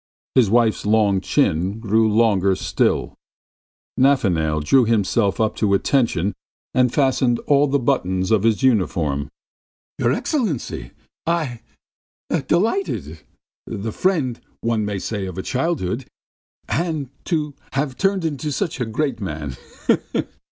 ... His wife's long chin grew longer still; Nafanail drew himself up to attention and fastened all the buttons of his uniform. "Your Excellency, I ... delighted! The friend, one may say, of childhood and to have turned into such a great man!